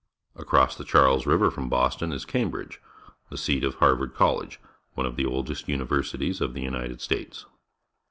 Across the Charles River from Boston is Cam bridge, the seat of Harvard College, one of the oldest universities in the United States.